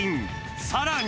さらに。